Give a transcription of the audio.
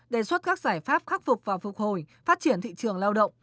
đề xuất các giải pháp khắc phục và phục hồi phát triển thị trường lao động